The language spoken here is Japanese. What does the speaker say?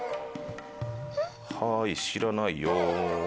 はい知らないよ。